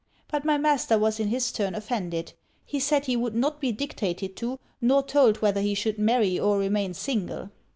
But my master was in his turn offended. He said he would not be dictated to, nor told whether he should marry or remain single.